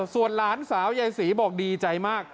ส่วนหลานสาวยายศรีบอกดีใจมาก